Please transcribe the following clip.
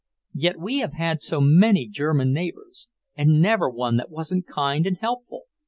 "Yet we have had so many German neighbours, and never one that wasn't kind and helpful."